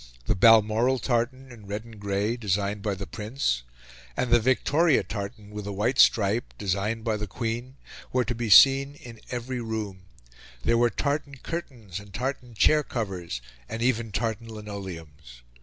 The Balmoral tartan, in red and grey, designed by the Prince, and the Victoria tartan, with a white stripe, designed by the Queen, were to be seen in every room: there were tartan curtains, and tartan chair covers, and even tartan linoleums.